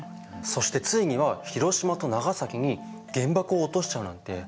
そしてついには広島と長崎に原爆を落としちゃうなんて。